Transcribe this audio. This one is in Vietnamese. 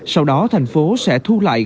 sau đó thành phố sẽ thu lại